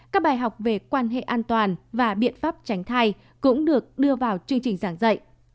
các bài học về quan hệ an toàn và biện pháp tránh thai cũng được đưa vào chương trình giảng dạy